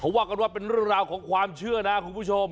ว่ากันว่าเป็นเรื่องราวของความเชื่อนะคุณผู้ชม